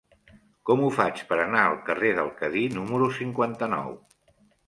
Com ho faig per anar al carrer del Cadí número cinquanta-nou?